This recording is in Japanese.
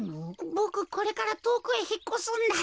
ボクこれからとおくへひっこすんだ。